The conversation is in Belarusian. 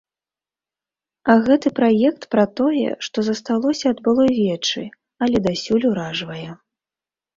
Гэты праект пра тое, што засталося ад былой вечы, але дасюль уражвае.